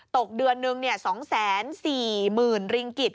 ตกเดือนหนึ่ง๒๔๐๐๐ริงกิจ